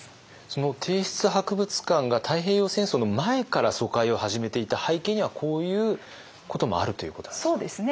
その帝室博物館が太平洋戦争の前から疎開を始めていた背景にはこういうこともあるということなんですか。